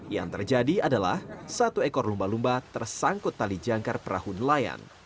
yang terjadi adalah satu ekor lumba lumba tersangkut tali jangkar perahu nelayan